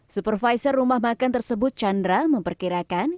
supervisor rumah makan tersebut chandra memperkirakan